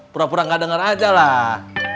pura pura ga denger aja lah